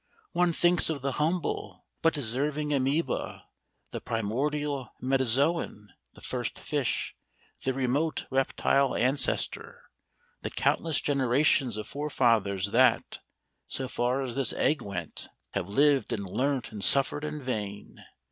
One thinks of the humble but deserving amoeba, the primordial metazöon, the first fish, the remote reptile ancestor, the countless generations of forefathers that, so far as this egg went, have lived and learnt and suffered in vain.